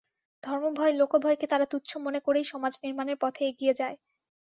ধর্মভয়, লোকভয়কে তারা তুচ্ছ মনে করেই সমাজ নির্মাণের পথে এগিয়ে যায়।